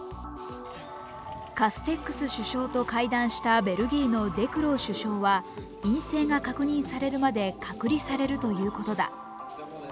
カステックス首相と会談したベルギーのデクロー首相は陰性が確認されるまで隔離されるということだ。